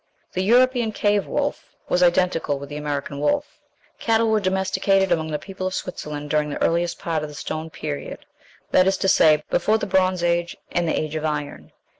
The European cave wolf was identical with the American wolf. Cattle were domesticated among the people of Switzerland during the earliest part of the Stone Period (Darwin's "Animals Under Domestication," vol. i., p. 103), that is to say, before the Bronze Age and the Age of Iron.